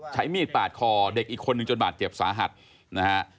ใช้มีดปาดคอเด็กอีกคนนึงจนบาดเจ็บสาหัสนะฮะ